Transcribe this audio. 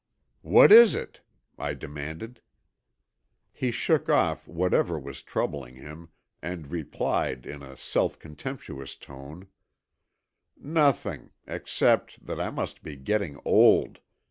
"What is it?" I demanded. He shook off whatever was troubling him and replied in a self contemptuous tone, "Nothing, except that I must be getting old.